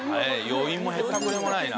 余韻もへったくれもないな。